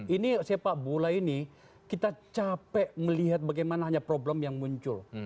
ini sepak bola ini kita capek melihat bagaimana hanya problem yang muncul